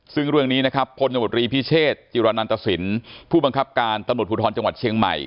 ซึ่งเรื่องนี้นะครับพจพิเชษฐ์จิรณนัตรสินฯผู้บังคับการตำรวจผุดธรรมจังหวัดเชียงใหม่